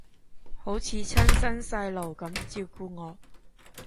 好似親生細佬噉照顧我